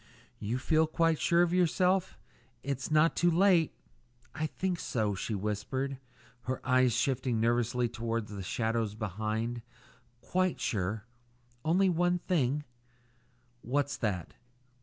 "You feel quite sure of yourself? It's not too late " "I think so," she whispered, her eyes shifting nervously toward the shadows behind. "Quite sure, only one thing " "What's that?"